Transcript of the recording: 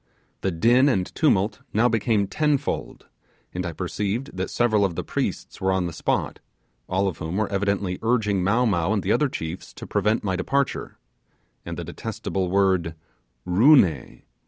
The din and tumult now became tenfold, and I perceived that several of the priests were on the spot, all of whom were evidently urging Mow Mow and the other chiefs to prevent my departure; and the detestable word 'Roo ne!